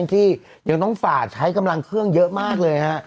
ที่ยังต้องฝ่าใช้กำลังเครื่องเยอะมากเลยฮะ